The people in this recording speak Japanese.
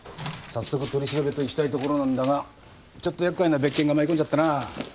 早速取り調べといきたいところなんだがちょっと厄介な別件が舞い込んじゃってな。